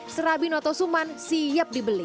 serabi noto suman siap dibeli